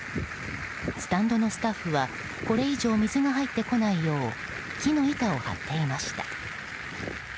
スタンドのスタッフはこれ以上水が入ってこないよう木の板を張っていました。